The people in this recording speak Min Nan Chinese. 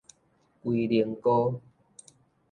龜苓膏